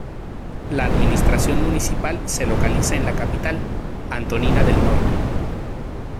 La administración municipal se localiza en la capital, Antonina del Norte.